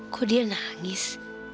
kok dia nangis